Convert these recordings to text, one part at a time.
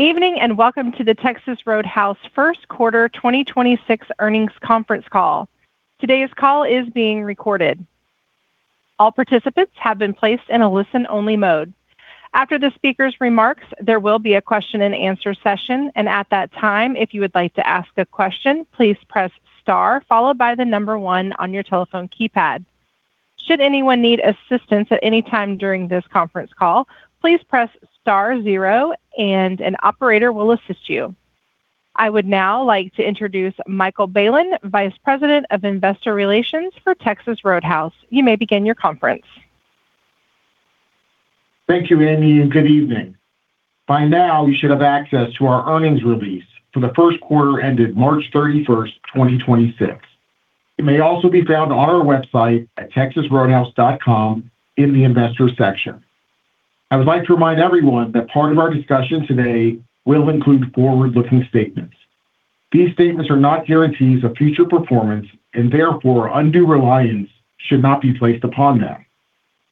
Evening and welcome to the Texas Roadhouse first quarter 2026 earnings conference call. Today's call is being recorded. All participants have been placed in a listen only mode. After the speaker's remarks, there will be a question and answer session, and at that time, if you would like to ask a question, please press star followed by the number one on your telephone keypad. Should anyone need assistance at any time during this conference call, please press star zero and an operator will assist you. I would now like to introduce Michael Bailen, Vice President of Investor Relations for Texas Roadhouse. You may begin your conference. Thank you, Amy. Good evening. By now, you should have access to our earnings release for the first quarter ended March 31st, 2026. It may also be found on our website at texasroadhouse.com in the investor section. I would like to remind everyone that part of our discussion today will include forward-looking statements. These statements are not guarantees of future performance and therefore undue reliance should not be placed upon them.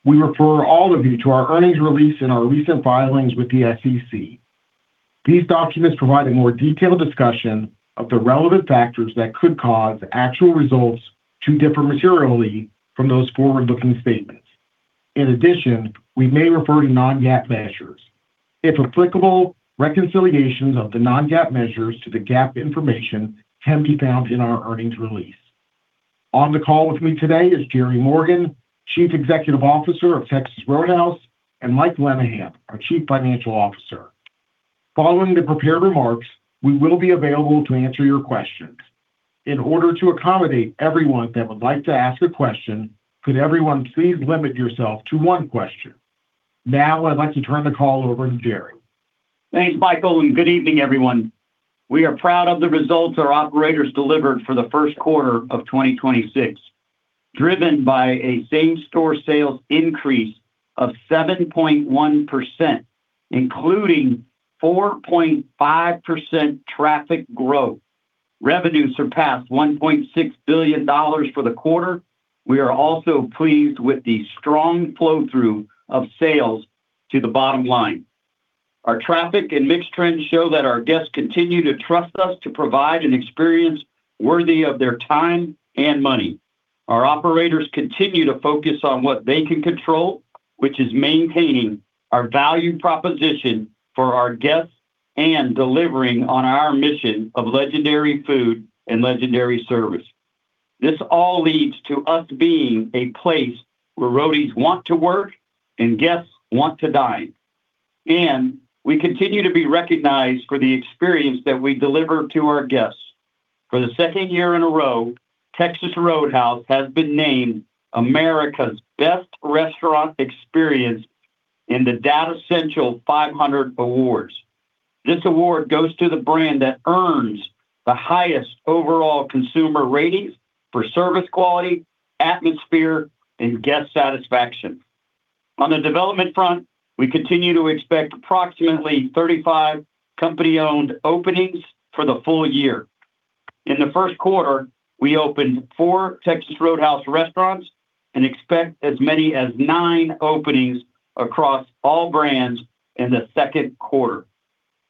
We refer all of you to our earnings release in our recent filings with the SEC. These documents provide a more detailed discussion of the relevant factors that could cause actual results to differ materially from those forward-looking statements. In addition, we may refer to non-GAAP measures. If applicable, reconciliations of the non-GAAP measures to the GAAP information can be found in our earnings release. On the call with me today is Jerry Morgan, Chief Executive Officer of Texas Roadhouse, and Mike Lenihan, our Chief Financial Officer. Following the prepared remarks, we will be available to answer your questions. In order to accommodate everyone that would like to ask a question, could everyone please limit yourself to one question? Now I'd like to turn the call over to Jerry. Thanks, Michael, and good evening, everyone. We are proud of the results our operators delivered for the first quarter of 2026. Driven by a same-store sales increase of 7.1%, including 4.5% traffic growth. Revenue surpassed $1.6 billion for the quarter. We are also pleased with the strong flow through of sales to the bottom line. Our traffic and mix trends show that our guests continue to trust us to provide an experience worthy of their time and money. Our operators continue to focus on what they can control, which is maintaining our value proposition for our guests and delivering on our mission of legendary food and legendary service. This all leads to us being a place where Roadies want to work and guests want to dine. We continue to be recognized for the experience that we deliver to our guests. For the second year in a row, Texas Roadhouse has been named America's best restaurant experience in the Datassential 500 Awards. This award goes to the brand that earns the highest overall consumer ratings for service quality, atmosphere, and guest satisfaction. On the development front, we continue to expect approximately 35 company owned openings for the full year. In the first quarter, we opened four Texas Roadhouse restaurants and expect as many as nine openings across all brands in the second quarter.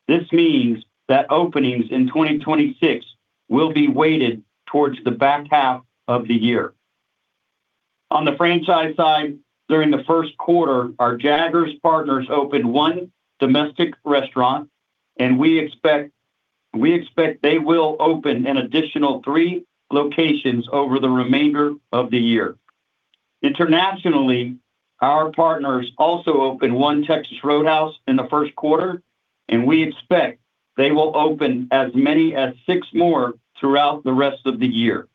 This means that openings in 2026 will be weighted towards the back half of the year. On the franchise side, during the first quarter, our Jaggers partners opened one domestic restaurant, and we expect they will open an additional three locations over the remainder of the year. Internationally, our partners also opened one Texas Roadhouse in the first quarter, and we expect they will open as many as six more throughout the rest of the year.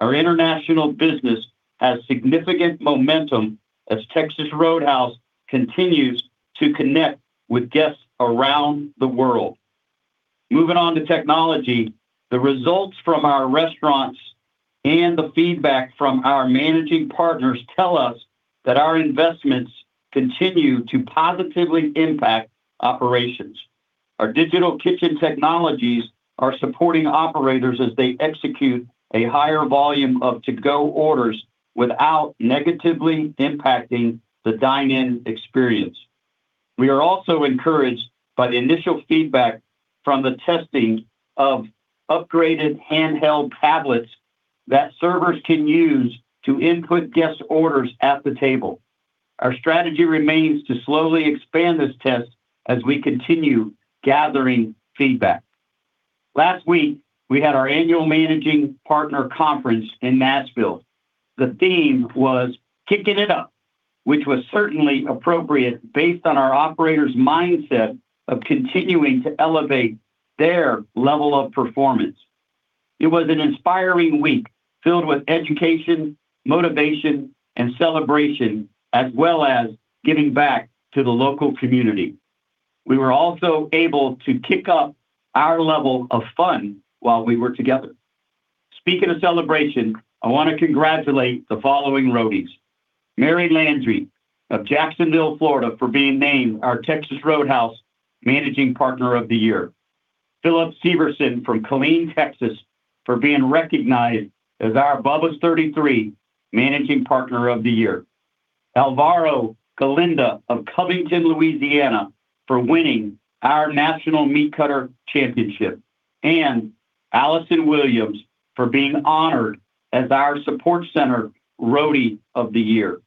Our international business has significant momentum as Texas Roadhouse continues to connect with guests around the world. Moving on to technology, the results from our restaurants and the feedback from our managing partners tell us that our investments continue to positively impact operations. Our digital kitchen technologies are supporting operators as they execute a higher volume of to-go orders without negatively impacting the dine-in experience. We are also encouraged by the initial feedback from the testing of upgraded handheld tablets that servers can use to input guest orders at the table. Our strategy remains to slowly expand this test as we continue gathering feedback. Last week, we had our annual managing partner conference in Nashville. The theme was Kicking It Up, which was certainly appropriate based on our operators mindset of continuing to elevate their level of performance. It was an inspiring week filled with education, motivation, and celebration, as well as giving back to the local community. We were also able to kick up our level of fun while we were together. Speaking of celebration, I want to congratulate the following Roadies: Mary Landry of Jacksonville, Florida, for being named our Texas Roadhouse Managing Partner of the Year. Philip Severson from Killeen, Texas, for being recognized as our Bubba's 33 Managing Partner of the Year. Alvaro Galindo of Covington, Louisiana for winning our National Meat Cutter Championship. Allison Williams for being honored as our Support Center Roadie of the Year.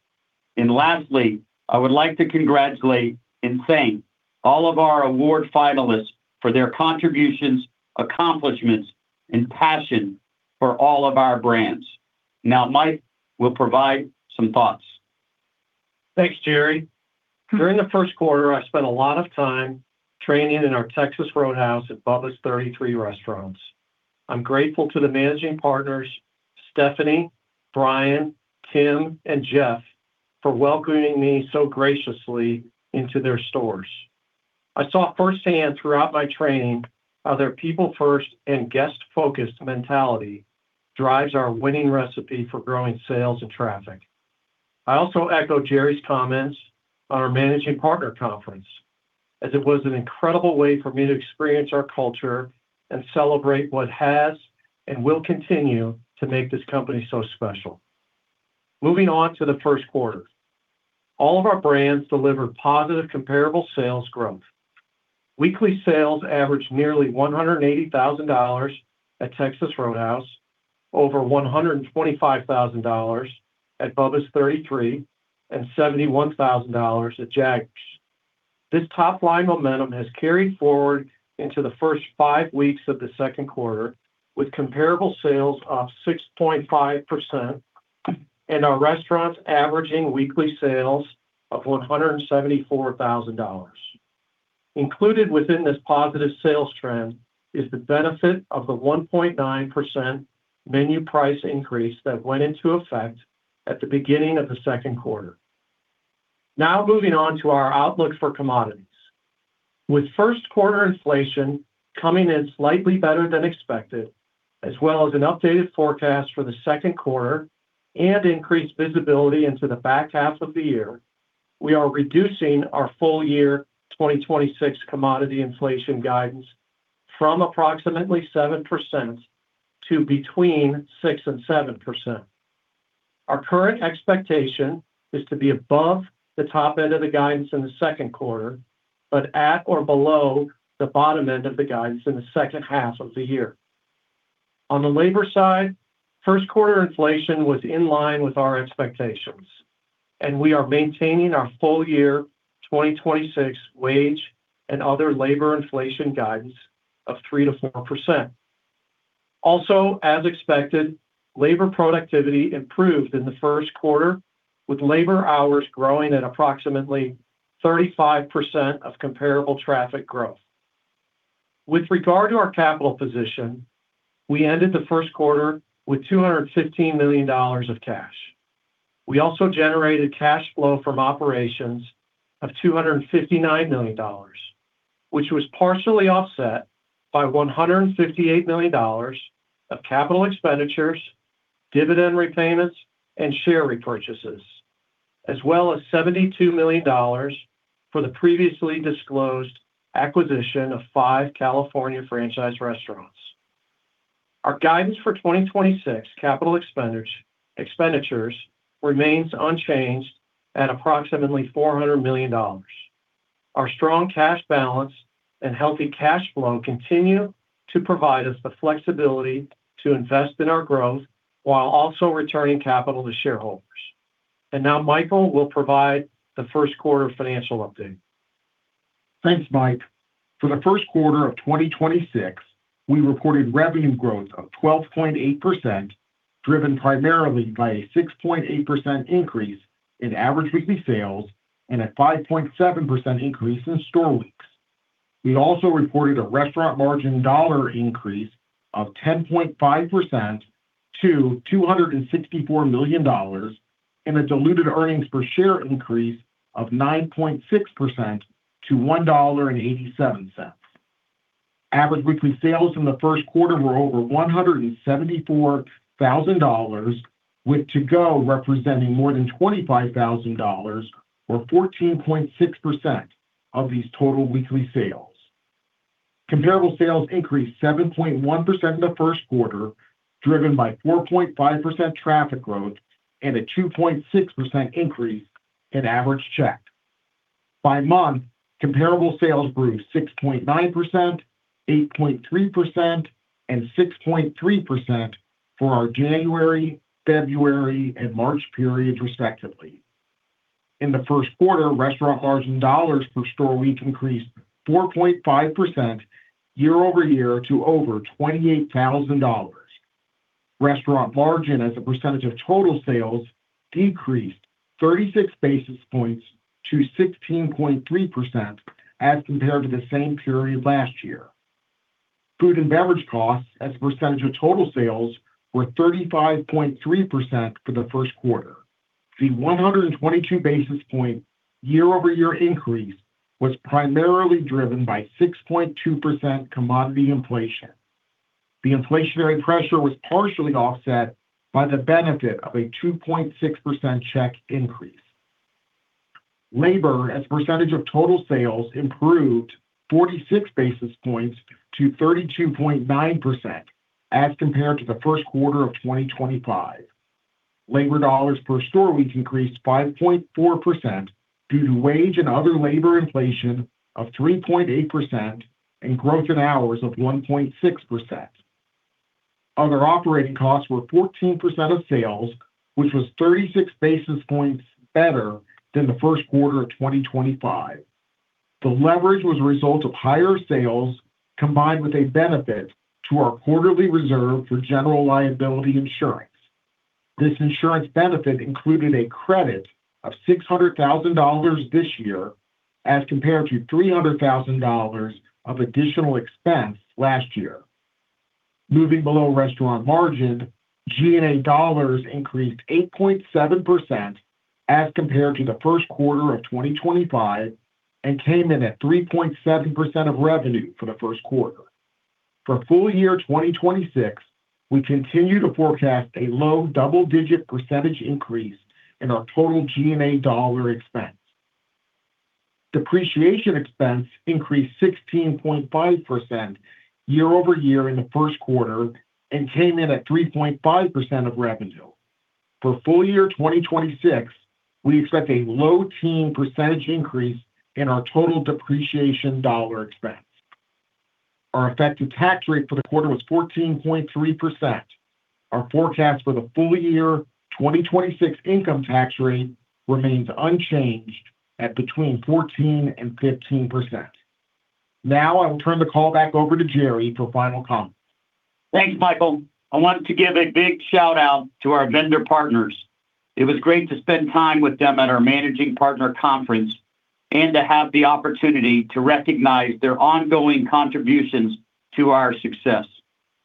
Lastly, I would like to congratulate and thank all of our award finalists for their contributions, accomplishments, and passion for all of our brands. Now Mike will provide some thoughts. Thanks, Jerry. During the first quarter, I spent a lot of time training in our Texas Roadhouse at Bubba's 33 restaurants. I'm grateful to the managing partners, Stephanie, Brian, Tim, and Jeff, for welcoming me so graciously into their stores. I saw firsthand throughout my training how their people first and guest-focused mentality drives our winning recipe for growing sales and traffic. I also echo Jerry's comments on our managing partner conference, as it was an incredible way for me to experience our culture and celebrate what has and will continue to make this company so special. Moving on to the first quarter. All of our brands delivered positive comparable sales growth. Weekly sales averaged nearly $180,000 at Texas Roadhouse, over $125,000 at Bubba's 33, and $71,000 at Jaggers. This top-line momentum has carried forward into the first five weeks of the second quarter, with comparable sales up 6.5% and our restaurants averaging weekly sales of $174,000. Included within this positive sales trend is the benefit of the 1.9% menu price increase that went into effect at the beginning of the second quarter. Now, moving on to our outlook for commodities. With first quarter inflation coming in slightly better than expected, as well as an updated forecast for the second quarter and increased visibility into the back half of the year, we are reducing our full year 2026 commodity inflation guidance from approximately 7% to between 6%-7%. Our current expectation is to be above the top end of the guidance in the second quarter, but at or below the bottom end of the guidance in the second half of the year. On the labor side, first quarter inflation was in line with our expectations, and we are maintaining our full year 2026 wage and other labor inflation guidance of 3%-4%. Also, as expected, labor productivity improved in the first quarter, with labor hours growing at approximately 35% of comparable traffic growth. With regard to our capital position, we ended the first quarter with $215 million of cash. We also generated cash flow from operations of $259 million, which was partially offset by $158 million of capital expenditures, dividend repayments, and share repurchases, as well as $72 million for the previously disclosed acquisition of five California franchise restaurants. Our guidance for 2026 capital expenditures remains unchanged at approximately $400 million. Our strong cash balance and healthy cash flow continue to provide us the flexibility to invest in our growth while also returning capital to shareholders. Now Michael will provide the first quarter financial update. Thanks, Mike. For the first quarter of 2026, we reported revenue growth of 12.8%, driven primarily by a 6.8% increase in average weekly sales and a 5.7% increase in store weeks. We also reported a restaurant margin dollar increase of 10.5% to $264 million and a diluted earnings per share increase of 9.6% to $1.87. Average weekly sales in the first quarter were over $174,000, with to-go representing more than $25,000 or 14.6% of these total weekly sales. Comparable sales increased 7.1% in the first quarter, driven by 4.5% traffic growth and a 2.6% increase in average check. By month, comparable sales grew 6.9%, 8.3%, and 6.3% for our January, February, and March periods respectively. In the first quarter, restaurant margin dollars per store week increased 4.5% year-over-year to over $28,000. Restaurant margin as a percentage of total sales decreased 36 basis points to 16.3% as compared to the same period last year. Food and beverage costs as a percentage of total sales were 35.3% for the first quarter. The 122 basis point year-over-year increase was primarily driven by 6.2% commodity inflation. The inflationary pressure was partially offset by the benefit of a 2.6% check increase. Labor as a percentage of total sales improved 46 basis points to 32.9% as compared to the first quarter of 2025. Labor dollars per store week increased 5.4% due to wage and other labor inflation of 3.8% and growth in hours of 1.6%. Other operating costs were 14% of sales, which was 36 basis points better than the first quarter of 2025. The leverage was a result of higher sales combined with a benefit to our quarterly reserve for general liability insurance. This insurance benefit included a credit of $600,000 this year as compared to $300,000 of additional expense last year. Moving below restaurant margin, G&A dollars increased 8.7% as compared to the first quarter of 2025 and came in at 3.7% of revenue for the first quarter. For full year 2026, we continue to forecast a low double-digit percentage increase in our total G&A dollar expense. Depreciation expense increased 16.5% year-over-year in the first quarter and came in at 3.5% of revenue. For full year 2026, we expect a low teen percentage increase in our total depreciation dollar expense. Our effective tax rate for the quarter was 14.3%. Our forecast for the full year 2026 income tax rate remains unchanged at between 14% and 15%. Now, I will turn the call back over to Jerry for final comment. Thanks, Michael. I want to give a big shout-out to our vendor partners. It was great to spend time with them at our managing partner conference and to have the opportunity to recognize their ongoing contributions to our success.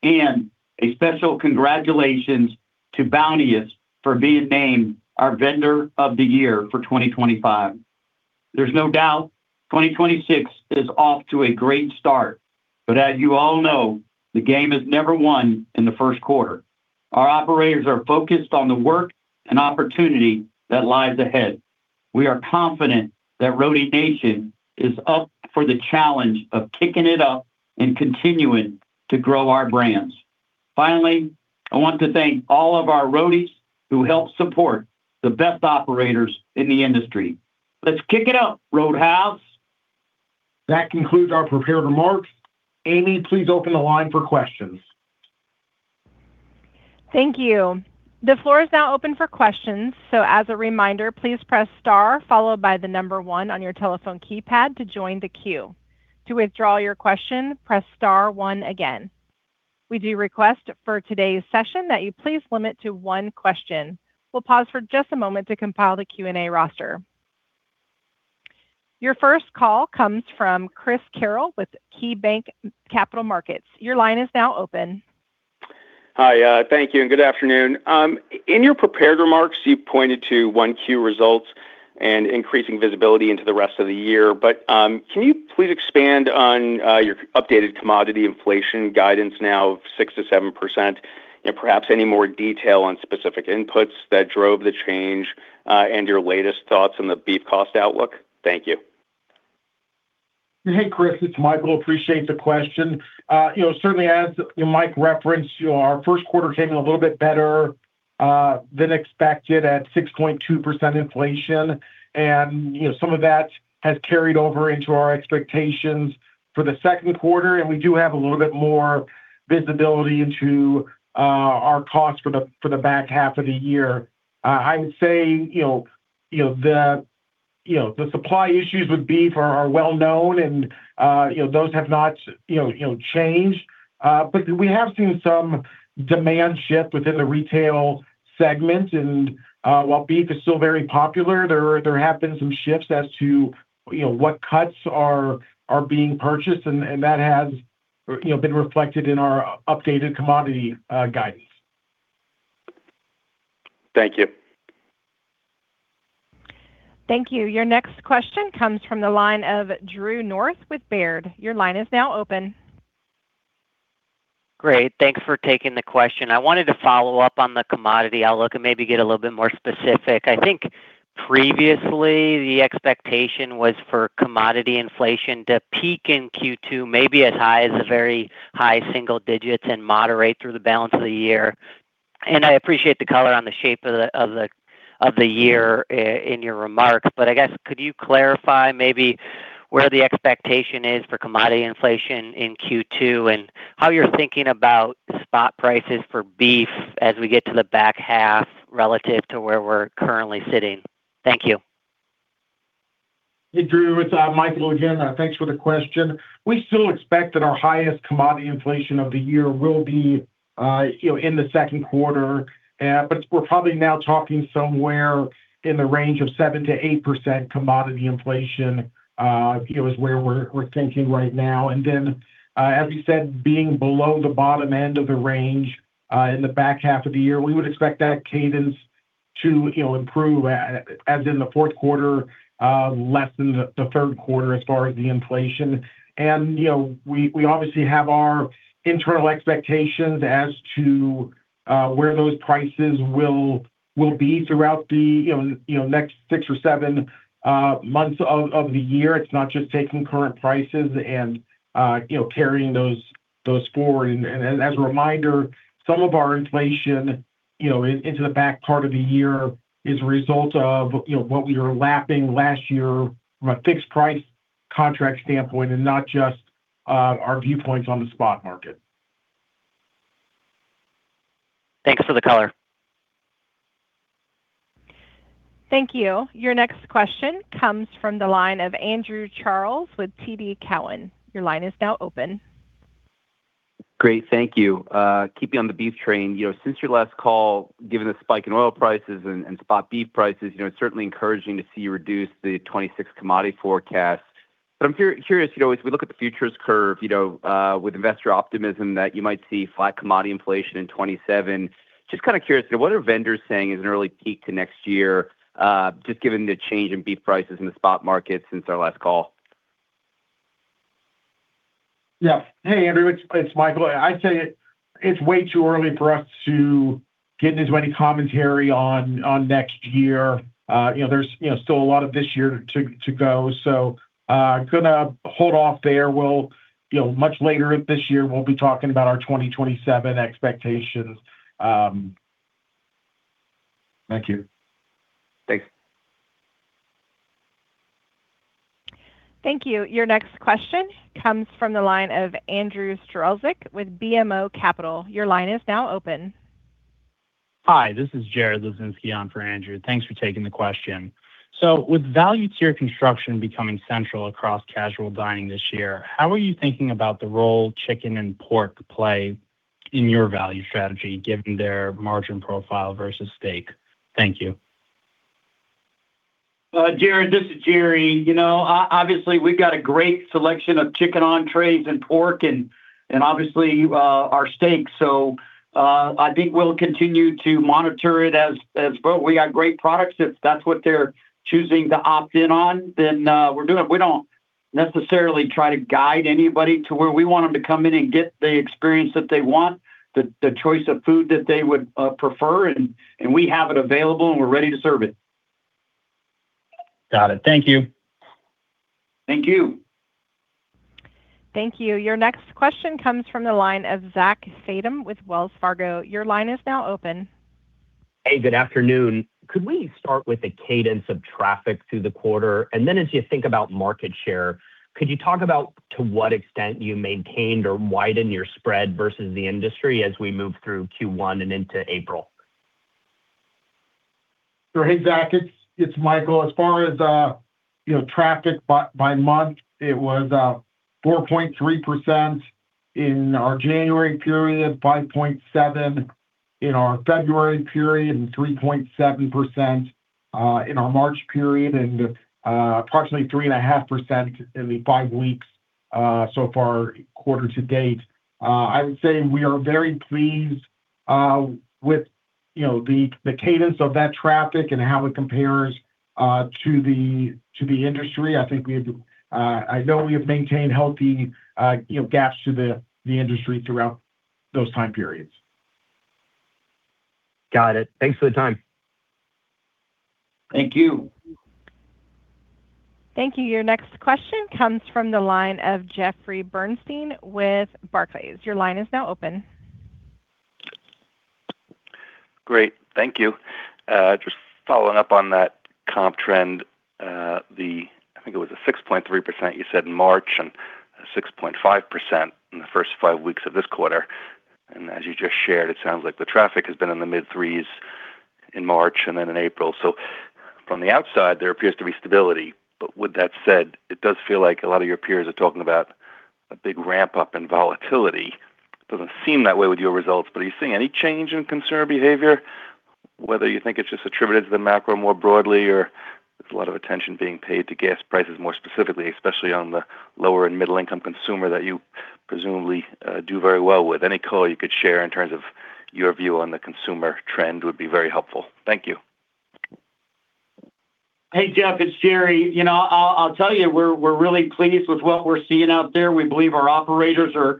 A special congratulations to Bounteous for being named our Vendor of the Year for 2025. There's no doubt 2026 is off to a great start. As you all know, the game is never won in the first quarter. Our operators are focused on the work and opportunity that lies ahead. We are confident that Roadie Nation is up for the challenge of kicking it up and continuing to grow our brands. Finally, I want to thank all of our Roadies who help support the best operators in the industry. Let's kick it up, Roadhouse. That concludes our prepared remarks. Amy, please open the line for questions. Thank you. The floor is now open for questions. As a reminder, please press star followed by the number one on your telephone keypad to join the queue. To withdraw your question, press star one again. We do request for today's session that you please limit to one question. We'll pause for just a moment to compile the Q&A roster. Your first call comes from Chris Carril with KeyBanc Capital Markets. Your line is now open. Hi. Thank you and good afternoon. In your prepared remarks, you pointed to 1Q results and increasing visibility into the rest of the year. Can you please expand on your updated commodity inflation guidance now of 6%-7%? Perhaps any more detail on specific inputs that drove the change and your latest thoughts on the beef cost outlook. Thank you. Hey, Chris. It's Michael. Appreciate the question. You know, certainly as Mike referenced, our first quarter came in a little bit better than expected at 6.2% inflation. You know, some of that has carried over into our expectations for the second quarter, and we do have a little bit more visibility into our cost for the back half of the year. I would say, you know, the supply issues with beef are well known, and you know, those have not changed. We have seen some demand shift within the retail segment. While beef is still very popular, there have been some shifts as to, you know, what cuts are being purchased, and that has, you know, been reflected in our updated commodity guidance. Thank you. Thank you. Your next question comes from the line of Drew North with Baird. Your line is now open. Great. Thanks for taking the question. I wanted to follow up on the commodity outlook and maybe get a little bit more specific. I think previously the expectation was for commodity inflation to peak in Q2, maybe as high as the very high single digits and moderate through the balance of the year. I appreciate the color on the shape of the year in your remarks. I guess could you clarify maybe where the expectation is for commodity inflation in Q2 and how you're thinking about spot prices for beef as we get to the back half relative to where we're currently sitting? Thank you. Hey, Drew, it's Michael again. Thanks for the question. We still expect that our highest commodity inflation of the year will be, you know, in the second quarter. We're probably now talking somewhere in the range of 7%-8% commodity inflation, you know, is where we're thinking right now. As you said, being below the bottom end of the range, in the back half of the year, we would expect that cadence to, you know, improve as in the fourth quarter, less than the third quarter as far as the inflation. You know, we obviously have our internal expectations as to where those prices will be throughout the, you know, next six or seven months of the year. It's not just taking current prices and, you know, carrying those forward. As a reminder, some of our inflation, you know, in-into the back part of the year is a result of, you know, what we are lapping last year from a fixed price contract standpoint and not just our viewpoints on the spot market. Thanks for the color. Thank you. Your next question comes from the line of Andrew Charles with TD Cowen. Your line is now open. Great. Thank you. Keeping on the beef train, you know, since your last call, given the spike in oil prices and spot beef prices, you know, it's certainly encouraging to see you reduce the 2026 commodity forecast. I'm curious, you know, as we look at the futures curve, you know, with investor optimism that you might see flat commodity inflation in 2027. Just kind of curious, you know, what are vendors saying is an early peak to next year, just given the change in beef prices in the spot market since our last call? Yeah. Hey, Andrew, it's Michael. I'd say it's way too early for us to get into any commentary on next year. You know, there's, you know, still a lot of this year to go. We're gonna hold off there. We'll, you know, much later this year, we'll be talking about our 2027 expectations. Thank you. Thanks. Thank you. Your next question comes from the line of Andrew Strelzik with BMO Capital. Your line is now open. Hi, this is Jared Hludzinski on for Andrew. Thanks for taking the question. With value tier construction becoming central across casual dining this year, how are you thinking about the role chicken and pork play in your value strategy, given their margin profile versus steak? Thank you. Jared, this is Jerry. You know, obviously, we've got a great selection of chicken entrees and pork and obviously, our steak. I think we'll continue to monitor it as well. We got great products. If that's what they're choosing to opt in on, we're doing it. We don't necessarily try to guide anybody to where we want them to come in and get the experience that they want, the choice of food that they would prefer, and we have it available, and we're ready to serve it. Got it. Thank you. Thank you. Thank you. Your next question comes from the line of Zach Fadem with Wells Fargo. Your line is now open. Hey, good afternoon. Could we start with the cadence of traffic through the quarter? As you think about market share, could you talk about to what extent you maintained or widened your spread versus the industry as we move through Q1 and into April? Sure. Hey, Zach, it's Michael. As far as, you know, traffic by month, it was 4.3% in our January period, 5.7% in our February period, and 3.7% in our March period, and approximately 3.5% in the five weeks so far quarter to date. I would say we are very pleased with, you know, the cadence of that traffic and how it compares to the industry. I think we have, I know we have maintained healthy, you know, gaps to the industry throughout those time periods. Got it. Thanks for the time. Thank you. Thank you. Your next question comes from the line of Jeffrey Bernstein with Barclays. Great. Thank you. Just following up on that comp trend, the, I think it was a 6.3% you said in March and 6.5% in the first five weeks of this quarter. As you just shared, it sounds like the traffic has been in the mid threes in March and then in April. From the outside, there appears to be stability. With that said, it does feel like a lot of your peers are talking about a big ramp up in volatility. It doesn't seem that way with your results, but are you seeing any change in consumer behavior, whether you think it's just attributed to the macro more broadly, or there's a lot of attention being paid to gas prices more specifically, especially on the lower and middle income consumer that you presumably do very well with. Any color you could share in terms of your view on the consumer trend would be very helpful. Thank you. Hey, Jeff, it's Jerry. You know, I'll tell you, we're really pleased with what we're seeing out there. We believe our operators are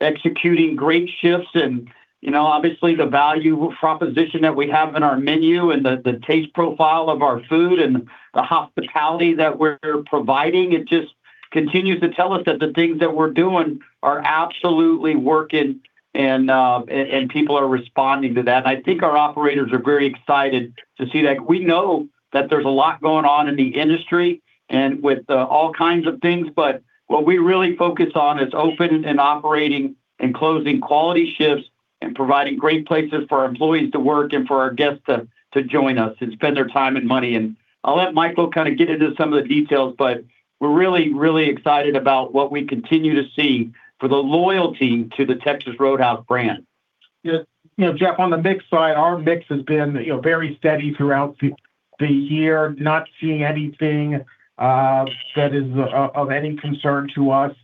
executing great shifts. You know, obviously the value proposition that we have in our menu and the taste profile of our food and the hospitality that we're providing, it just continues to tell us that the things that we're doing are absolutely working and people are responding to that. I think our operators are very excited to see that. We know that there's a lot going on in the industry and with all kinds of things. What we really focus on is open and operating and closing quality shifts and providing great places for our employees to work and for our guests to join us and spend their time and money. I'll let Michael kind of get into some of the details, but we're really, really excited about what we continue to see for the loyalty to the Texas Roadhouse brand. Yeah. You know, Jeff, on the mix side, our mix has been, you know, very steady throughout the year, not seeing anything that is of any concern to us.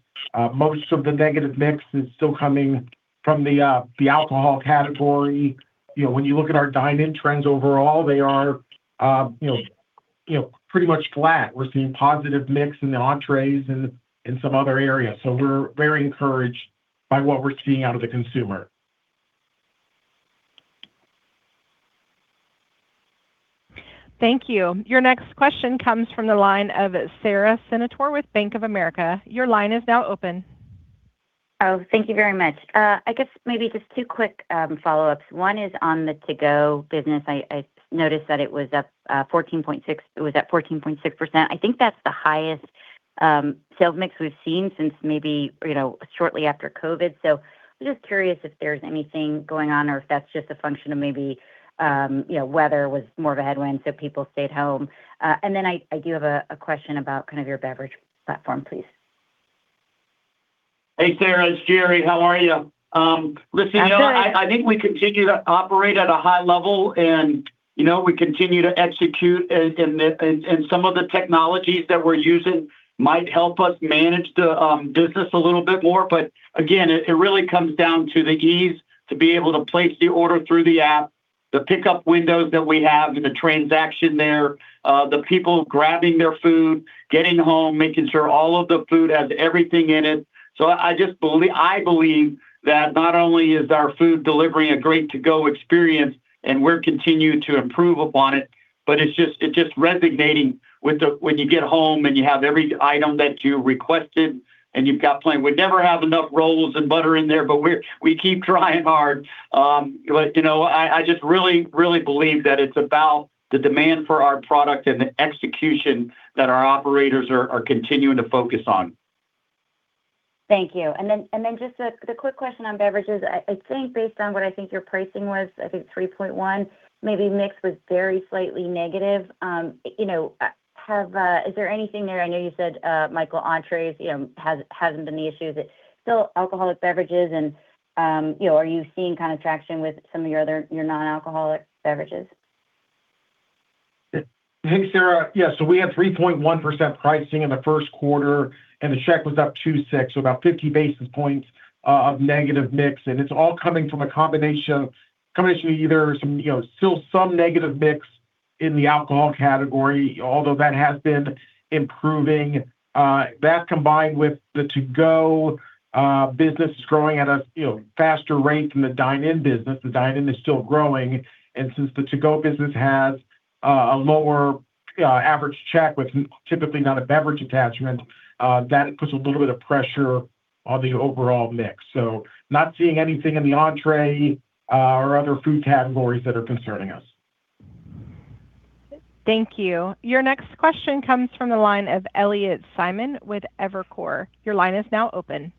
Most of the negative mix is still coming from the alcohol category. You know, when you look at our dine-in trends overall, they are, you know, pretty much flat. We're seeing positive mix in the entrees and in some other areas. We're very encouraged by what we're seeing out of the consumer. Thank you. Your next question comes from the line of Sara Senatore with Bank of America. Your line is now open. Thank you very much. I guess maybe just two quick follow-ups. One is on the to-go business. I noticed that it was up, it was at 14.6%. I think that's the highest sales mix we've seen since maybe, you know, shortly after COVID. I'm just curious if there's anything going on or if that's just a function of maybe, you know, weather was more of a headwind, so people stayed home. I do have a question about kind of your beverage platform, please. Hey, Sara, it's Jerry. How are you? I'm good. You know, I think we continue to operate at a high level and, you know, we continue to execute. Some of the technologies that we're using might help us manage the business a little bit more. Again, it really comes down to the ease to be able to place the order through the app, the pickup windows that we have, the transaction there, the people grabbing their food, getting home, making sure all of the food has everything in it. I believe that not only is our food delivery a great to-go experience, and we're continuing to improve upon it, but it's just resonating with the when you get home and you have every item that you requested and you've got plenty. We'd never have enough rolls and butter in there, but we keep trying hard. You know, I just really believe that it's about the demand for our product and the execution that our operators are continuing to focus on. Thank you. Just a quick question on beverages. I think based on what I think your pricing was, I think 3.15%, maybe mix was very slightly negative. You know, is there anything there? I know you said, main entrees, you know, hasn't been the issue, but still alcoholic beverages and, you know, are you seeing kind of traction with some of your non-alcoholic beverages? Thanks, Sara. Yeah, we have 3.1% pricing in the first quarter, and the check was up 2.6%, about 50 basis points of negative mix. It's all coming from a combination of either some, you know, still some negative mix in the alcohol category, although that has been improving. That combined with the to-go business is growing at a, you know, faster rate than the dine-in business. The dine-in is still growing. Since the to-go business has a lower average check with typically not a beverage attachment, that puts a little bit of pressure on the overall mix. Not seeing anything in the entree or other food categories that are concerning us. Thank you. Your next question comes from the line of Elliott Simon with Evercore. Your line is now open.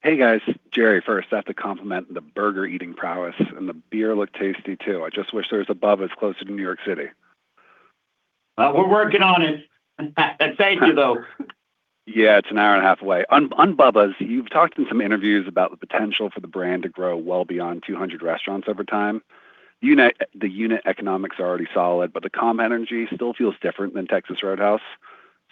Hey, guys. Jerry, first, I have to compliment the burger eating prowess, and the beer looked tasty too. I just wish there was a Bubba's closer to New York City. We're working on it. Thank you, though. Yeah, it's an hour and a half away. On Bubba's, you've talked in some interviews about the potential for the brand to grow well beyond 200 restaurants over time. The unit economics are already solid, but the comm energy still feels different than Texas Roadhouse.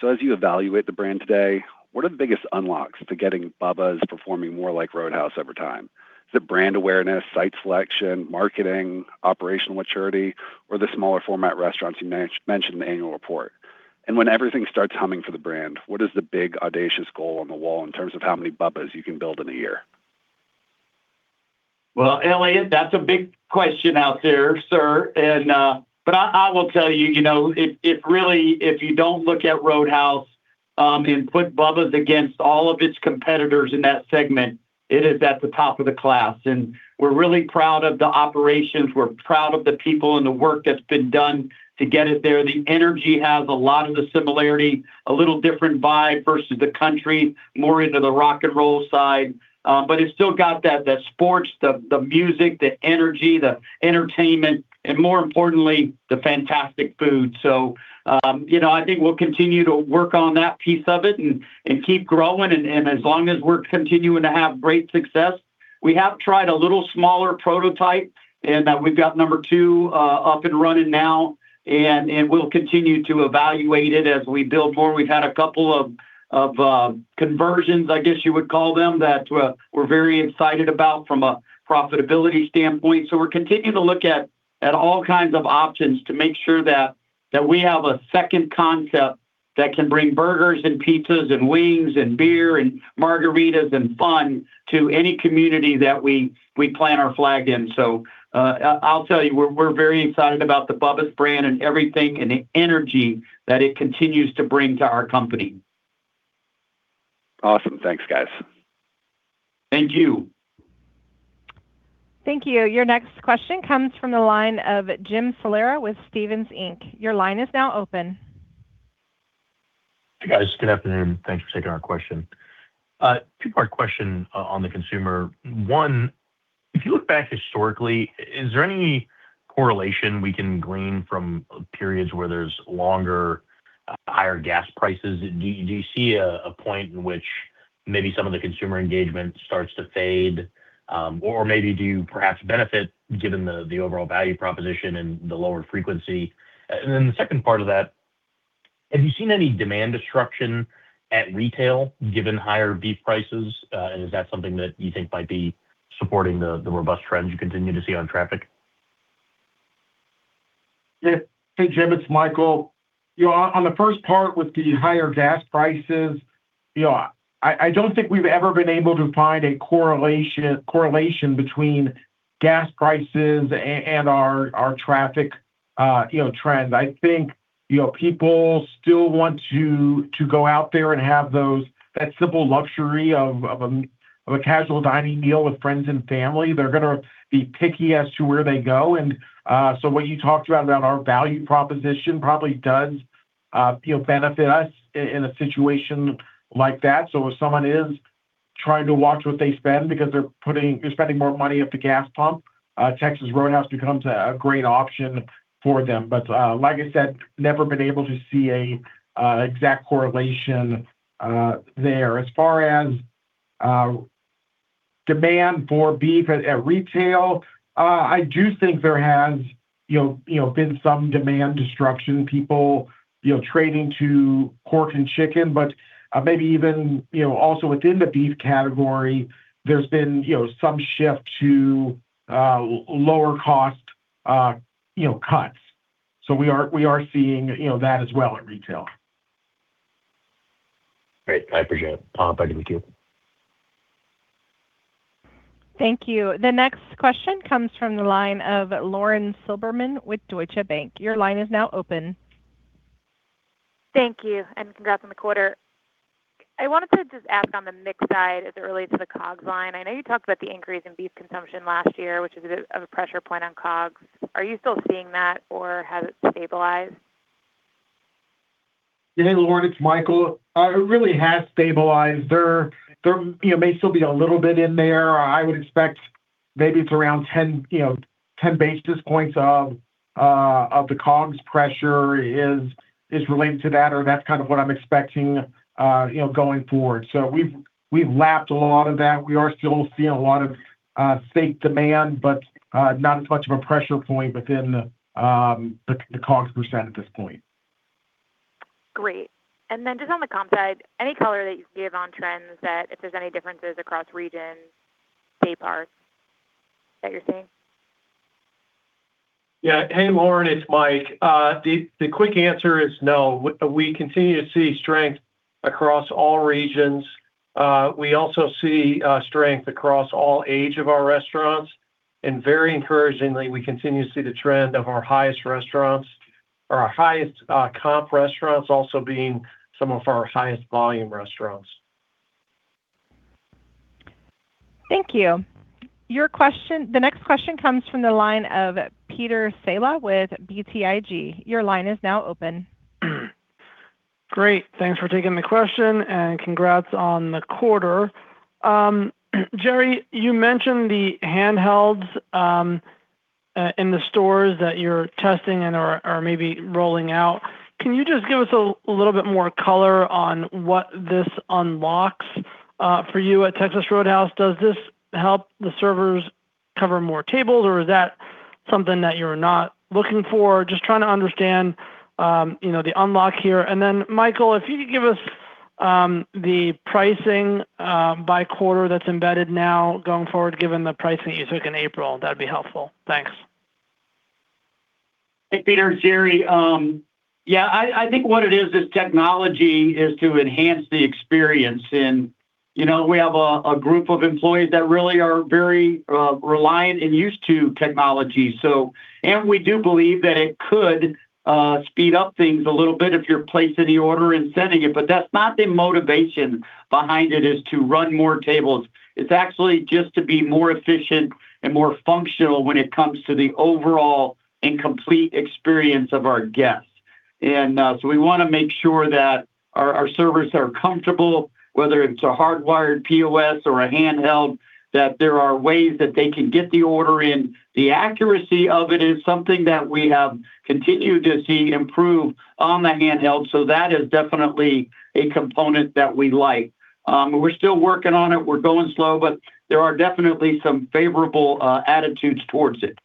As you evaluate the brand today, what are the biggest unlocks to getting Bubba's performing more like Roadhouse over time? Is it brand awareness, site selection, marketing, operational maturity, or the smaller format restaurants you mentioned in the annual report? When everything starts humming for the brand, what is the big, audacious goal on the wall in terms of how many Bubba's you can build in a year? Elliott, that's a big question out there, sir. I will tell you know, it really, if you don't look at Roadhouse, and put Bubba's against all of its competitors in that segment, it is at the top of the class. We're really proud of the operations. We're proud of the people and the work that's been done to get it there. The energy has a lot of the similarity, a little different vibe versus the country, more into the rock and roll side. It's still got that, the sports, the music, the energy, the entertainment, and more importantly, the fantastic food. You know, I think we'll continue to work on that piece of it and keep growing, and as long as we're continuing to have great success. We have tried a little smaller prototype, we've got number two up and running now, and we'll continue to evaluate it as we build more. We've had a couple of conversions, I guess you would call them, that we're very excited about from a profitability standpoint. We're continuing to look at all kinds of options to make sure that we have a second concept that can bring burgers and pizzas and wings and beer and margaritas and fun to any community that we plant our flag in. I'll tell you, we're very excited about the Bubba's brand and everything and the energy that it continues to bring to our company. Awesome. Thanks, guys. Thank you. Thank you. Your next question comes from the line of Jim Salera with Stephens Inc. Your line is now open. Hey, guys. Good afternoon. Thanks for taking our question. Two-part question on the consumer. One, if you look back historically, is there any correlation we can glean from periods where there's longer, higher gas prices? Do you see a point in which maybe some of the consumer engagement starts to fade? Or maybe do you perhaps benefit given the overall value proposition and the lower frequency? The second part of that, have you seen any demand destruction at retail given higher beef prices? Is that something that you think might be supporting the robust trends you continue to see on traffic? Yeah. Hey, Jim, it's Michael. You know, on the first part with the higher gas prices, you know, I don't think we've ever been able to find a correlation between gas prices and our traffic, you know, trends. I think, you know, people still want to go out there and have that simple luxury of a casual dining meal with friends and family. They're gonna be picky as to where they go. What you talked about our value proposition probably does, you know, benefit us in a situation like that. If someone is trying to watch what they spend because they're spending more money at the gas pump, Texas Roadhouse becomes a great option for them. Like I said, never been able to see a exact correlation there. As far as demand for beef at retail, I do think there has, you know, been some demand destruction, people, you know, trading to pork and chicken. Maybe even, you know, also within the beef category, there's been, you know, some shift to lower cost, you know, cuts. We are seeing, you know, that as well at retail. Great. I appreciate it. Thank you. The next question comes from the line of Lauren Silberman with Deutsche Bank. Your line is now open. Thank you. Congrats on the quarter. I wanted to just ask on the mix side as it relates to the COGS line. I know you talked about the increase in beef consumption last year, which is a bit of a pressure point on COGS. Are you still seeing that, or has it stabilized? Yeah. Hey, Lauren, it's Michael. It really has stabilized. There, you know, may still be a little bit in there. I would expect maybe it's around 10, you know, 10 basis points of the COGS pressure is related to that, or that's kind of what I'm expecting, you know, going forward. We've lapped a lot of that. We are still seeing a lot of steak demand, but not as much of a pressure point within the COGS percent at this point. Great. Just on the comp side, any color that you can give on trends that if there's any differences across regions, dayparts that you're seeing? Hey, Lauren, it's Mike. The quick answer is no. We continue to see strength across all regions. We also see strength across all age of our restaurants. Very encouragingly, we continue to see the trend of our highest restaurants or our highest comp restaurants also being some of our highest volume restaurants. Thank you. The next question comes from the line of Peter Saleh with BTIG. Your line is now open. Great. Thanks for taking the question, congrats on the quarter. Jerry, you mentioned the handhelds in the stores that you're testing and are maybe rolling out. Can you just give us a little bit more color on what this unlocks for you at Texas Roadhouse? Does this help the servers cover more tables, or is that something that you're not looking for? Just trying to understand, you know, the unlock here. Michael, if you could give us the pricing by quarter that's embedded now going forward, given the pricing you took in April, that'd be helpful. Thanks. Hey, Peter, it's Jerry. Yeah, I think what it is, this technology is to enhance the experience. You know, we have a group of employees that really are very reliant and used to technology, so. We do believe that it could speed up things a little bit if you're placing the order and sending it, but that's not the motivation behind it, is to run more tables. It's actually just to be more efficient and more functional when it comes to the overall and complete experience of our guests. We wanna make sure that our servers are comfortable, whether it's a hardwired POS or a handheld, that there are ways that they can get the order in. The accuracy of it is something that we have continued to see improve on the handheld. That is definitely a component that we like. We're still working on it. We're going slow. There are definitely some favorable attitudes towards it.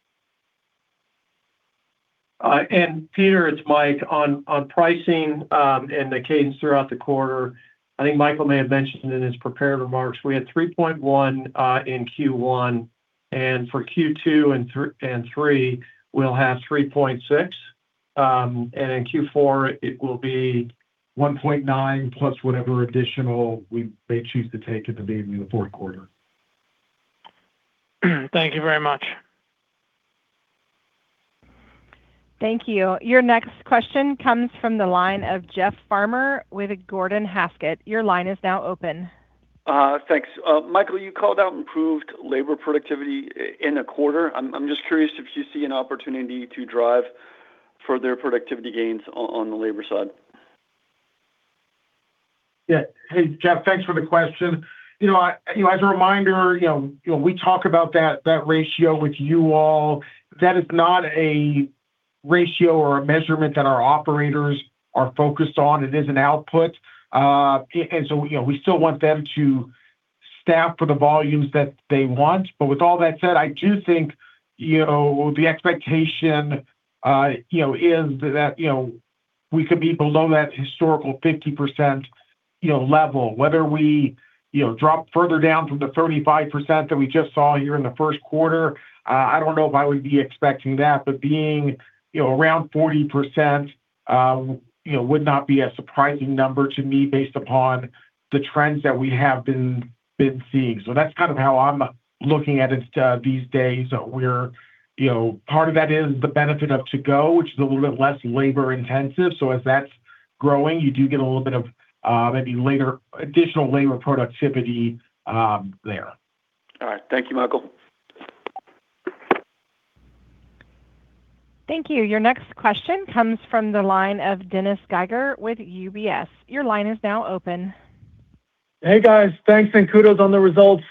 Peter, it's Mike. On pricing, and the cadence throughout the quarter, I think Michael may have mentioned it in his prepared remarks. We had 3.1% in Q1. For Q2 and three, we'll have 3.6%. In Q4, it will be 1.9%+ whatever additional we may choose to take it to be in the fourth quarter. Thank you very much. Thank you. Your next question comes from the line of Jeff Farmer with Gordon Haskett. Thanks, Michael, you called out improved labor productivity in the quarter. I'm just curious if you see an opportunity to drive further productivity gains on the labor side. Yeah. Hey, Jeff, thanks for the question. You know, as a reminder, you know, we talk about that ratio with you all. That is not a ratio or a measurement that our operators are focused on, it is an output. You know, we still want them to staff for the volumes that they want. With all that said, I do think, you know, the expectation, you know, is that, you know, we could be below that historical 50%, you know, level. Whether we, you know, drop further down from the 35% that we just saw here in the first quarter, I don't know if I would be expecting that. Being, you know, around 40%, you know, would not be a surprising number to me based upon the trends that we have been seeing. That's kind of how I'm looking at it these days. We're, you know, part of that is the benefit of to-go, which is a little bit less labor intensive. As that's growing, you do get a little bit of additional labor productivity there. All right. Thank you, Michael. Thank you. Your next question comes from the line of Dennis Geiger with UBS. Hey, guys. Thanks and kudos on the results.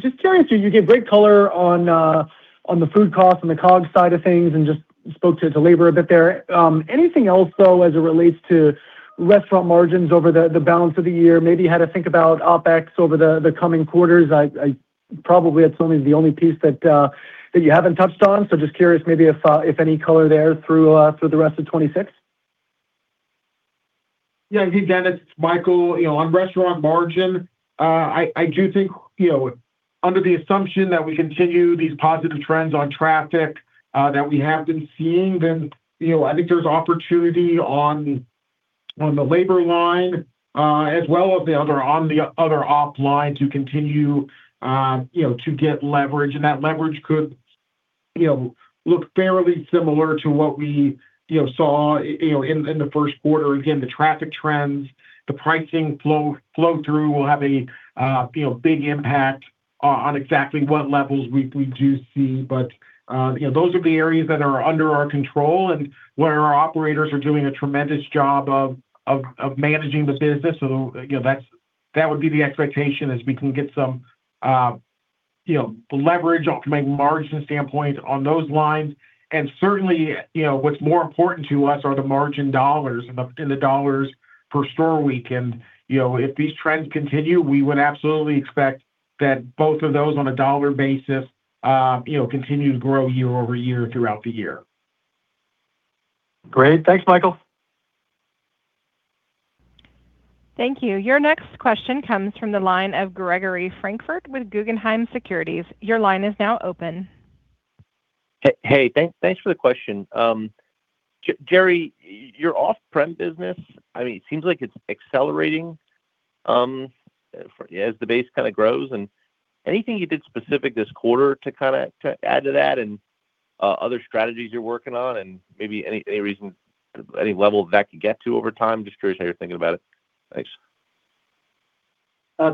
Just curious, you gave great color on the food cost and the COGS side of things and just spoke to labor a bit there. Anything else, though, as it relates to restaurant margins over the balance of the year? Maybe how to think about OpEx over the coming quarters. I probably that's only the only piece that you haven't touched on. Just curious maybe if any color there through the rest of 2026. Yeah, hey Dennis, it's Michael. You know, on restaurant margin, I do think, you know, under the assumption that we continue these positive trends on traffic that we have been seeing, then, you know, I think there's opportunity on the labor line, as well as on the other op line to continue to get leverage. That leverage could, you know, look fairly similar to what we, you know, saw in the first quarter. The traffic trends, the pricing flow-through will have a big impact on exactly what levels we do see. Those are the areas that are under our control and where our operators are doing a tremendous job of managing the business. You know, that would be the expectation as we can get some, you know, leverage from a margin standpoint on those lines. Certainly, you know, what's more important to us are the margin dollars and the dollars per store week. You know, if these trends continue, we would absolutely expect that both of those on a dollar basis, you know, continue to grow year-over-year throughout the year. Great. Thanks, Michael. Thank you. Your next question comes from the line of Gregory Francfort with Guggenheim Securities. Your line is now open. Hey, thanks for the question. Jerry, your off-prem business, I mean, it seems like it's accelerating, as the base kind of grows. Anything you did specific this quarter to kind of add to that and other strategies you're working on, and maybe any level that could get to over time? Just curious how you're thinking about it. Thanks.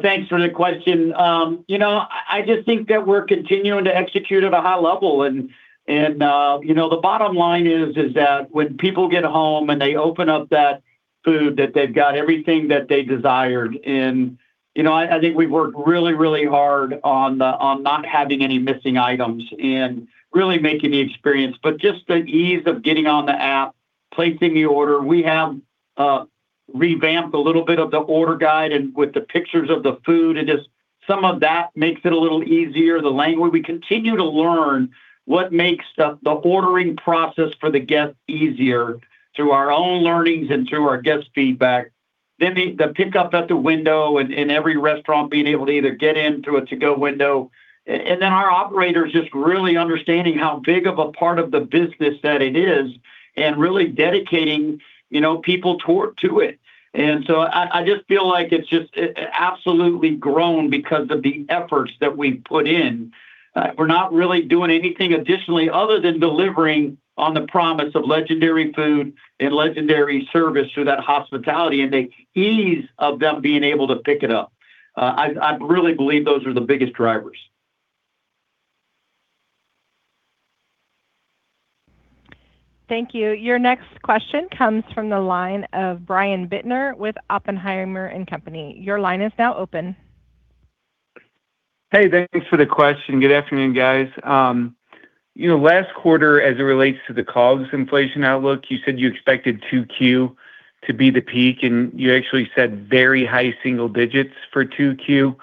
Thanks for the question. You know, I just think that we're continuing to execute at a high level. You know, the bottom line is that when people get home and they open up that food, that they've got everything that they desired. You know, I think we work really, really hard on not having any missing items and really making the experience. Just the ease of getting on the app, placing the order. We have revamped a little bit of the order guide and with the pictures of the food and just some of that makes it a little easier, the language. We continue to learn what makes the ordering process for the guest easier through our own learnings and through our guest feedback. The pickup at the window and every restaurant being able to either get in through a to-go window. Our operators just really understanding how big of a part of the business that it is and really dedicating, you know, people to it. I just feel like it's just absolutely grown because of the efforts that we've put in. We're not really doing anything additionally other than delivering on the promise of legendary food and legendary service through that hospitality and the ease of them being able to pick it up. I really believe those are the biggest drivers. Thank you. Your next question comes from the line of Brian Bittner with Oppenheimer & Co. Your line is now open. Hey, thanks for the question. Good afternoon, guys. You know, last quarter as it relates to the COGS inflation outlook, you said you expected 2Q to be the peak, and you actually said very high single digits for 2Q.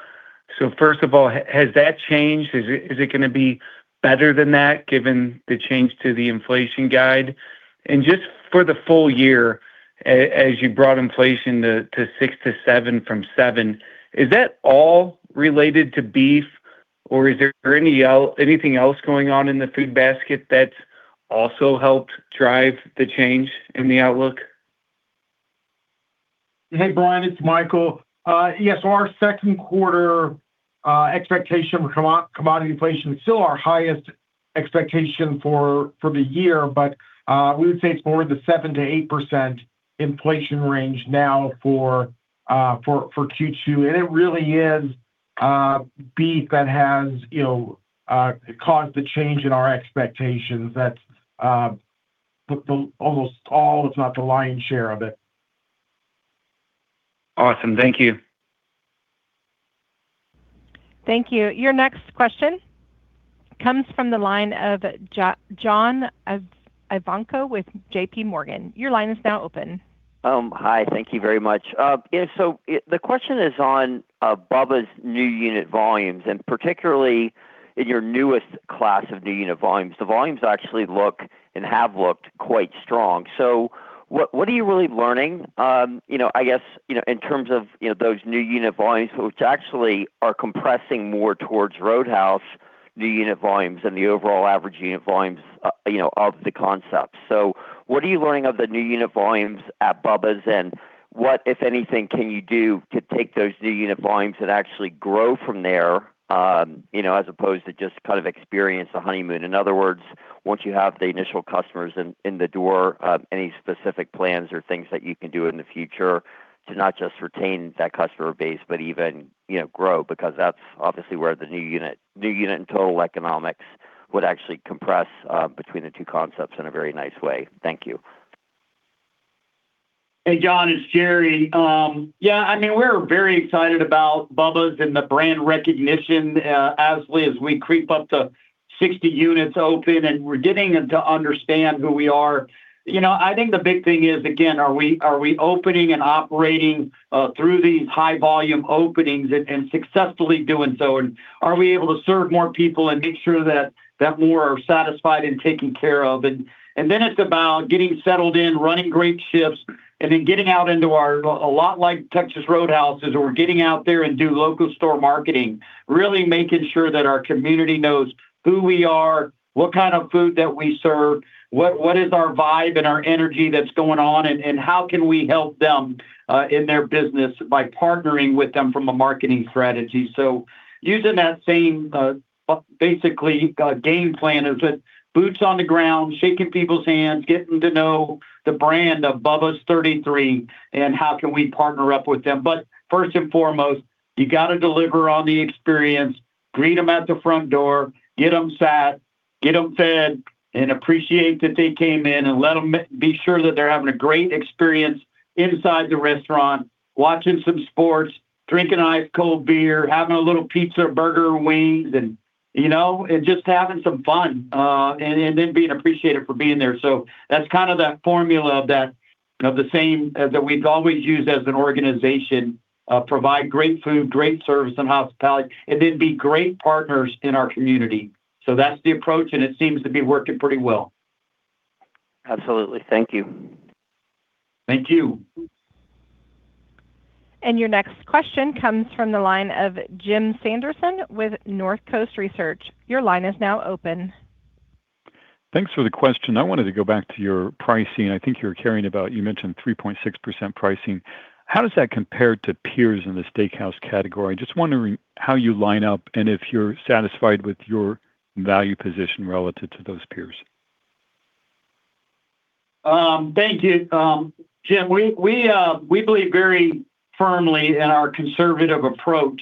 First of all, has that changed? Is it gonna be better than that given the change to the inflation guide? Just for the full year, as you brought inflation to 6%-7% from 7%, is that all related to beef, or is there anything else going on in the food basket that's also helped drive the change in the outlook? Hey, Brian, it's Michael. Yes, our second quarter expectation for commodity inflation is still our highest expectation for the year. We would say it's more the 7%-8% inflation range now for Q2. It really is beef that has, you know, caused the change in our expectations. That's the almost all, if not the lion's share of it. Awesome. Thank you. Thank you. Your next question comes from the line of John Ivankoe with JPMorgan. Your line is now open. Hi. Thank you very much. Yeah, so the question is on Bubba's new unit volumes, and particularly in your newest class of new unit volumes. The volumes actually look and have looked quite strong. What, what are you really learning, you know, I guess, you know, in terms of, you know, those new unit volumes, which actually are compressing more towards Roadhouse new unit volumes than the overall average unit volumes, you know, of the concept. What are you learning of the new unit volumes at Bubba's? What, if anything, can you do to take those new unit volumes and actually grow from there, you know, as opposed to just kind of experience the honeymoon? In other words, once you have the initial customers in the door, any specific plans or things that you can do in the future to not just retain that customer base, but even, you know, grow? Because that's obviously where the new unit and total economics would actually compress between the two concepts in a very nice way. Thank you. Hey, John, it's Jerry. Yeah, I mean, we're very excited about Bubba's and the brand recognition, as we creep up to 60 units open, and we're getting to understand who we are. You know, I think the big thing is, again, are we opening and operating through these high volume openings and successfully doing so? Are we able to serve more people and make sure that more are satisfied and taken care of? Then it's about getting settled in, running great shifts, and then getting out into our a lot like Texas Roadhouse is we're getting out there and do local store marketing, really making sure that our community knows who we are, what kind of food that we serve, what is our vibe and our energy that's going on, and how can we help them in their business by partnering with them from a marketing strategy. Using that same, basically game plan is with boots on the ground, shaking people's hands, getting to know the brand of Bubba's 33, and how can we partner up with them. First and foremost, you got to deliver on the experience, greet them at the front door, get them sat, get them fed, and appreciate that they came in, and let them be sure that they're having a great experience inside the restaurant, watching some sports, drinking ice cold beer, having a little pizza or burger or wings and, you know, and just having some fun, and then being appreciated for being there. That's kind of that formula that, you know, the same that we've always used as an organization. Provide great food, great service and hospitality, and then be great partners in our community. That's the approach, and it seems to be working pretty well. Absolutely. Thank you. Thank you. Your next question comes from the line of Jim Sanderson with Northcoast Research. Your line is now open. Thanks for the question. I wanted to go back to your pricing. I think you mentioned 3.6% pricing. How does that compare to peers in the steakhouse category? Just wondering how you line up and if you're satisfied with your value position relative to those peers. Thank you, Jim. We believe very firmly in our conservative approach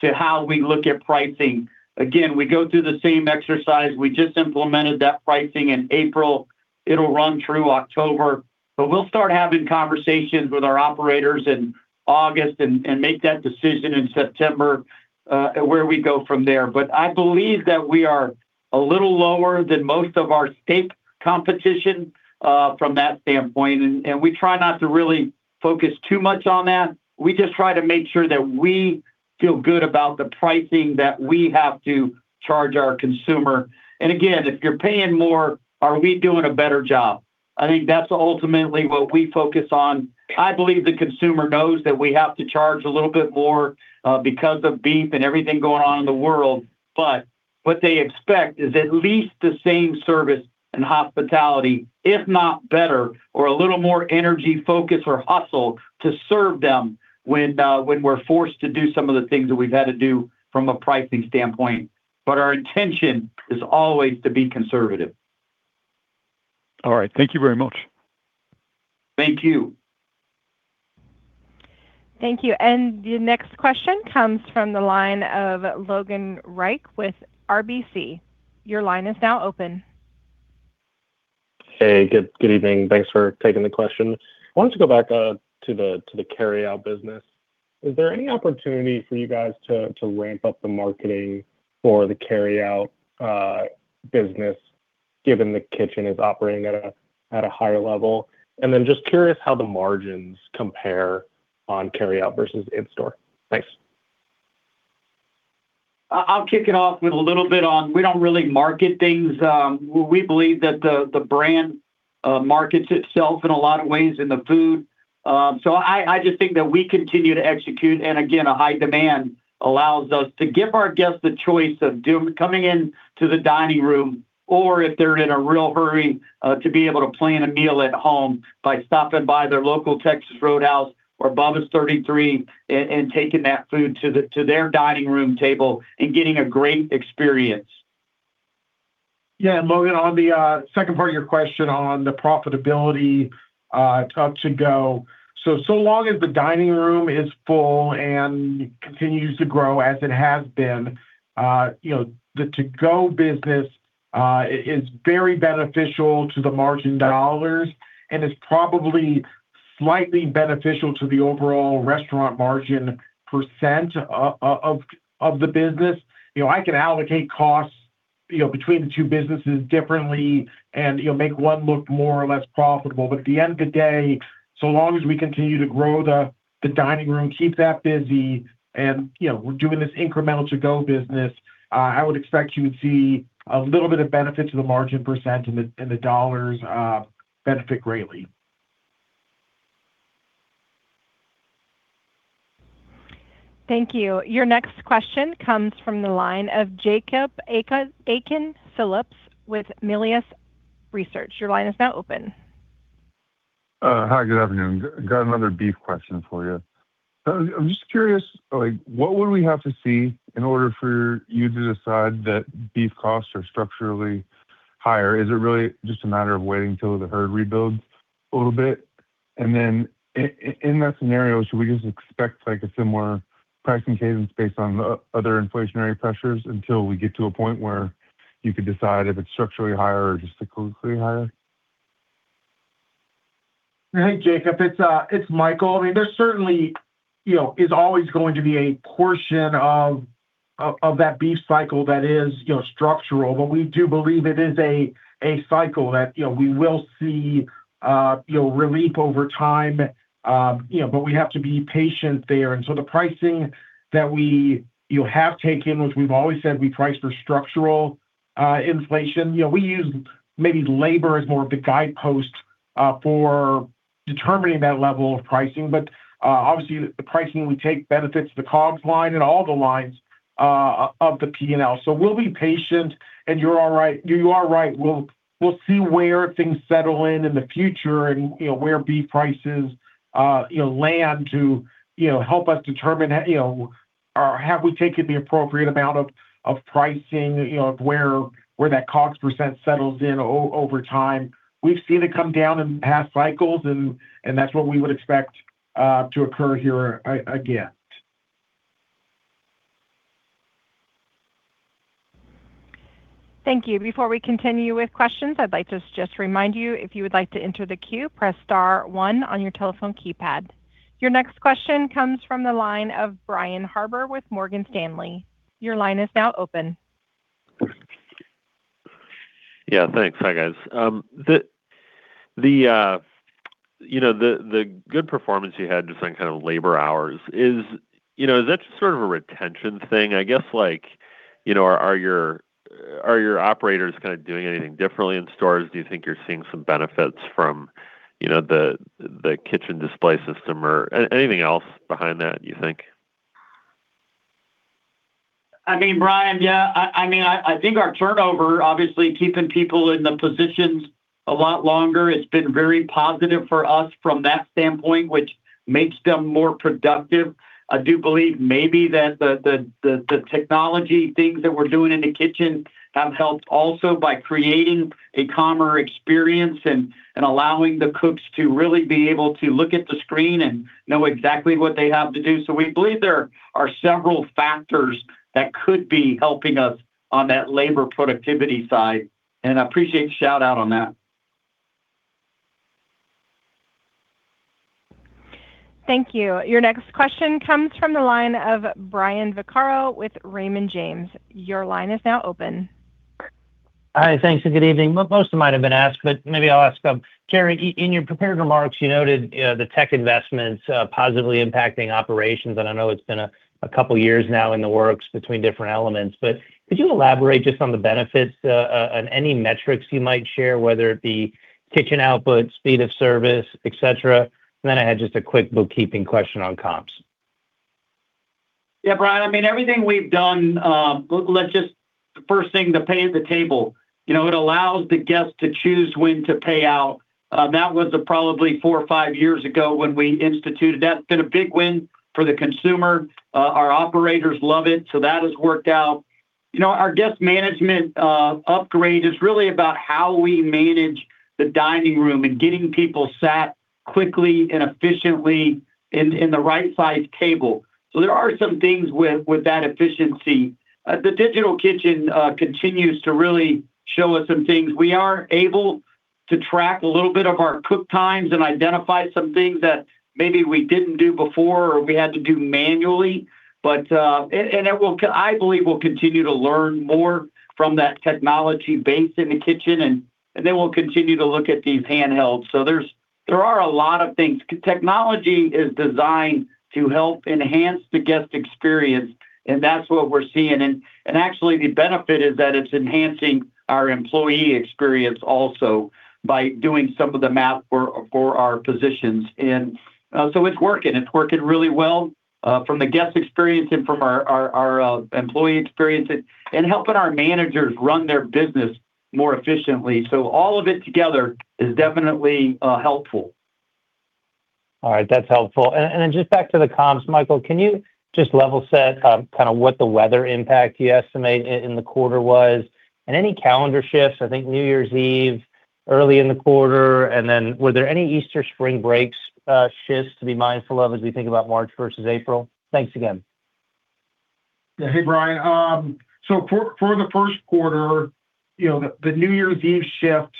to how we look at pricing. Again, we go through the same exercise. We just implemented that pricing in April. It'll run through October. We'll start having conversations with our operators in August and make that decision in September, where we go from there. I believe that we are a little lower than most of our steak competition from that standpoint, and we try not to really focus too much on that. We just try to make sure that we feel good about the pricing that we have to charge our consumer. Again, if you're paying more, are we doing a better job? I think that's ultimately what we focus on. I believe the consumer knows that we have to charge a little bit more because of beef and everything going on in the world. What they expect is at least the same service and hospitality, if not better, or a little more energy, focus, or hustle to serve them when we're forced to do some of the things that we've had to do from a pricing standpoint. Our intention is always to be conservative. All right. Thank you very much. Thank you. Thank you. The next question comes from the line of Logan Reich with RBC. Hey, good evening. Thanks for taking the question. I wanted to go back to the carryout business. Is there any opportunity for you guys to ramp up the marketing for the carryout business, given the kitchen is operating at a higher level? Just curious how the margins compare on carryout versus in-store. Thanks. I'll kick it off with a little bit on we don't really market things. We believe that the brand markets itself in a lot of ways in the food. I just think that we continue to execute. Again, a high demand allows us to give our guests the choice of coming in to the dining room or, if they're in a real hurry, to be able to plan a meal at home by stopping by their local Texas Roadhouse or Bubba's 33 and taking that food to their dining room table and getting a great experience. Yeah, Logan, on the second part of your question on the profitability, to go, so long as the dining room is full and continues to grow as it has been, you know, the to-go business is very beneficial to the margin dollars. Slightly beneficial to the overall restaurant margin percent of the business. You know, I can allocate costs, you know, between the two businesses differently and, you know, make one look more or less profitable. At the end of the day, so long as we continue to grow the dining room, keep that busy and, you know, we're doing this incremental to-go business, I would expect you would see a little bit of benefit to the margin percent and the dollars benefit greatly. Thank you. Your next question comes from the line of Jacob Aiken-Phillips with Melius Research. Your line is now open. Hi, good afternoon. Got another beef question for you. I'm just curious, like, what would we have to see in order for you to decide that beef costs are structurally higher? Is it really just a matter of waiting till the herd rebuilds a little bit? Then in that scenario, should we just expect, like, a similar pricing cadence based on other inflationary pressures until we get to a point where you could decide if it's structurally higher or just cyclically higher? Hey, Jacob, it's Michael. I mean, there's certainly, you know, is always going to be a portion of that beef cycle that is, you know, structural. We do believe it is a cycle that, you know, we will see, you know, relief over time. You know, we have to be patient there. The pricing that you have taken, which we've always said we price for structural inflation. You know, we use maybe labor as more of the guidepost for determining that level of pricing. Obviously the pricing we take benefits the COGS line and all the lines of the P&L. We'll be patient, and you're all right. You are right. We'll see where things settle in in the future and, you know, where beef prices, you know, land to, you know, help us determine, you know, have we taken the appropriate amount of pricing, you know, of where that COGS percent settles in over time. We've seen it come down in past cycles and that's what we would expect to occur here again. Thank you. Before we continue with questions, I'd like to just remind you if you would like to enter the queue, press star one on your telephone keypad. Your next question comes from the line of Brian Harbour with Morgan Stanley. Yeah, thanks. Hi, guys. The, the, you know, the good performance you had just on kind of labor hours is, you know, is that just sort of a retention thing? I guess, like, you know, are your operators kind of doing anything differently in stores? Do you think you're seeing some benefits from, you know, the kitchen display system or anything else behind that, you think? I mean, Brian, yeah, I mean, I think our turnover, obviously keeping people in the positions a lot longer, it's been very positive for us from that standpoint, which makes them more productive. I do believe maybe that the technology things that we're doing in the kitchen have helped also by creating a calmer experience and allowing the cooks to really be able to look at the screen and know exactly what they have to do. We believe there are several factors that could be helping us on that labor productivity side, and I appreciate the shout-out on that. Thank you. Your next question comes from the line of Brian Vaccaro with Raymond James. Your line is now open. Hi, thanks, good evening. Well, most of mine have been asked, but maybe I'll ask them. Jerry, in your prepared remarks, you noted, you know, the tech investments positively impacting operations, and I know it's been a couple years now in the works between different elements. Could you elaborate just on the benefits and any metrics you might share, whether it be kitchen output, speed of service, et cetera? I had just a quick bookkeeping question on comps. Yeah, Brian, I mean, everything we've done. The first thing, the pay at the table. You know, it allows the guest to choose when to pay out. That was probably four or five years ago when we instituted that. It's been a big win for the consumer. Our operators love it, so that has worked out. You know, our guest management upgrade is really about how we manage the dining room and getting people sat quickly and efficiently in the right size table. There are some things with that efficiency. The digital kitchen continues to really show us some things. We are able to track a little bit of our cook times and identify some things that maybe we didn't do before or we had to do manually. I believe we'll continue to learn more from that technology base in the kitchen and then we'll continue to look at these handhelds. There are a lot of things. Technology is designed to help enhance the guest experience, and that's what we're seeing. Actually the benefit is that it's enhancing our employee experience also by doing some of the math for our positions. It's working. It's working really well from the guest experience and from our employee experience and helping our managers run their business more efficiently. All of it together is definitely helpful. All right. That's helpful. Just back to the comps, Michael, can you just level set, kind of what the weather impact you estimate in the quarter was? Any calendar shifts, I think New Year's Eve early in the quarter. Were there any Easter spring breaks, shifts to be mindful of as we think about March versus April? Thanks again. Yeah. Hey, Brian. For the first quarter, you know, the New Year's Eve shift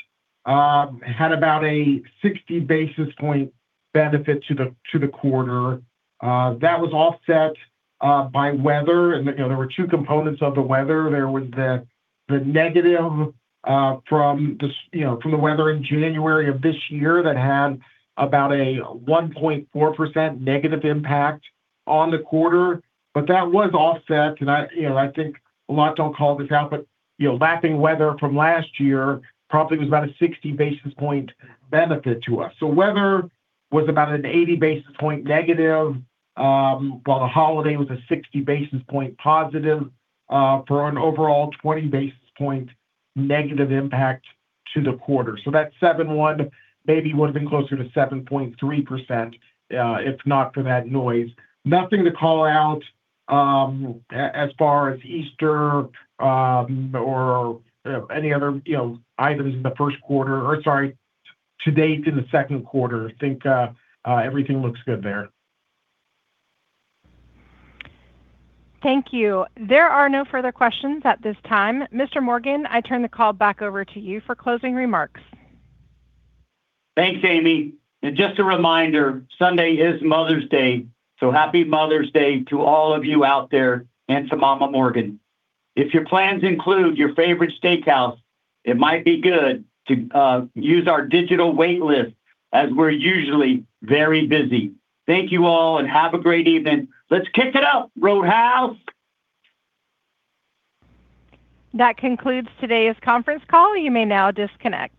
had about a 60 basis point benefit to the quarter. That was offset by weather. You know, there were two components of the weather. There was the negative, you know, from the weather in January of this year that had about a 1.4% negative impact on the quarter. That was offset, I, you know, I think a lot don't call this out, you know, lapping weather from last year probably was about a 60 basis point benefit to us. Weather was about an 80 basis point negative, while the holiday was a 60 basis point positive, for an overall 20 basis point negative impact to the quarter. That 7.1% maybe would've been closer to 7.3%, if not for that noise. Nothing to call out, as far as Easter, or any other, you know, items in the first quarter or, sorry, to date in the second quarter. I think everything looks good there. Thank you. There are no further questions at this time. Mr. Morgan, I turn the call back over to you for closing remarks. Thanks, Amy. Just a reminder, Sunday is Mother's Day, so Happy Mother's Day to all of you out there and to Mama Morgan. If your plans include your favorite steakhouse, it might be good to use our digital wait list, as we're usually very busy. Thank you all, have a great evening. Let's kick it up, Roadhouse. That concludes today's conference call. You may now disconnect.